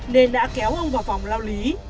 nên đã kéo ông vào vòng lao lý